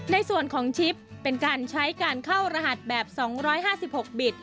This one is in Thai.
ในส่วนของชิปเป็นการใช้การเข้ารหัสแบบ๒๕๖บิต